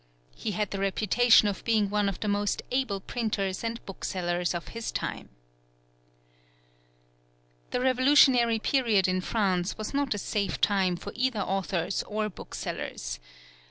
He had the reputation of being one of the most able printers and booksellers of his time. The Revolutionary period in France was not a safe time for either authors or booksellers.